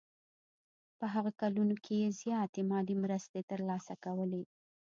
په هغو کلونو کې یې زیاتې مالي مرستې ترلاسه کولې.